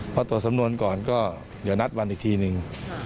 พอตรวจสำนวนก่อนก็เดี๋ยวนัดวันอีกทีนึง